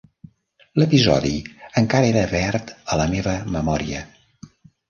L'episodi encara era verd a la meva memòria.